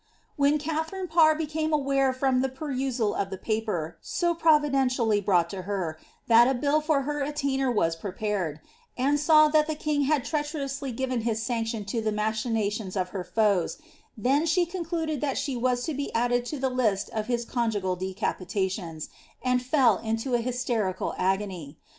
When Katharine Parr became aware from the perusal of the papw, so providentially brought to her, that a bill for her attainder was pia> pared, and saw that the king had treacherously given his sanction to ihs machinations of her foes, then she concluded that she was to be sddsd to the list of his conjugal decapitations, and fell into an hysterical agony.'